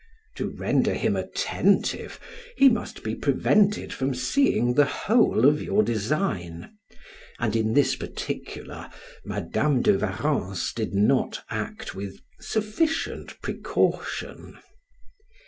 To render him attentive, he must be prevented from seeing the whole of your design; and, in this particular, Madam de Warrens did not act with sufficient precaution.